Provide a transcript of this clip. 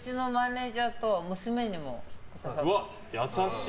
優しい。